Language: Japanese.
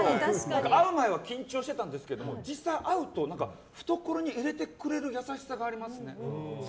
会う前は緊張してたんだけど実際会うと懐に入れてくれる優しさがありますよね。